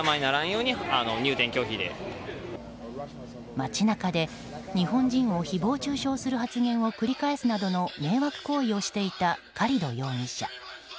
街中で日本人を誹謗中傷する発言を繰り返すなどの迷惑行為をしていたカリド容疑者。